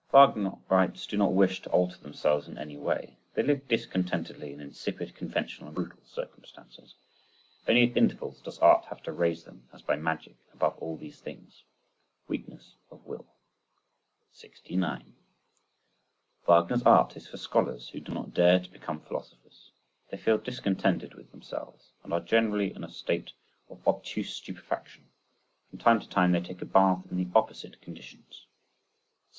Wagnerites do not wish to alter themselves in any way, they live discontentedly in insipid, conventional and brutal circumstances—only at intervals does art have to raise them as by magic above these things. Weakness of will. 69. Wagner's art is for scholars who do not dare to become philosophers: they feel discontented with themselves and are generally in a state of obtuse stupefaction—from time to time they take a bath in the opposite conditions. 70.